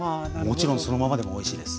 もちろんそのままでもおいしいです。